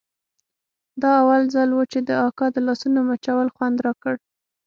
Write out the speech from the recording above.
دا اول ځل و چې د اکا د لاسونو مچول خوند راکړ.